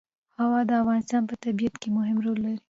هوا د افغانستان په طبیعت کې مهم رول لري.